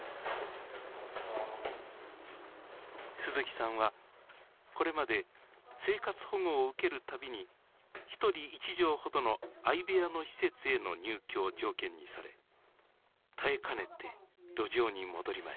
鈴木さんはこれまで生活保護を受ける度に一人一畳ほどの相部屋の施設への入居を条件にされ耐えかねて路上に戻りました。